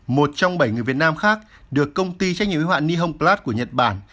một trong bảy người việt nam khác được công ty trách nhiệm y hoạn nihon plus của nhật bản